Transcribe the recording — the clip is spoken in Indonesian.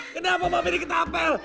kenapa mami diketapel